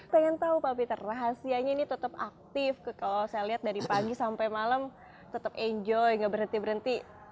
pengen tahu pak peter rahasianya ini tetap aktif kalau saya lihat dari pagi sampai malam tetap enjoy nggak berhenti berhenti